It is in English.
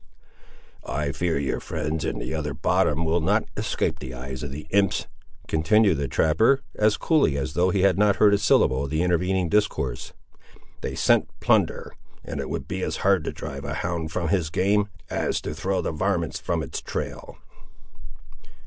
"I fear your friends in the other bottom will not escape the eyes of the imps!" continued the trapper, as coolly as though he had not heard a syllable of the intervening discourse. "They scent plunder; and it would be as hard to drive a hound from his game, as to throw the varmints from its trail."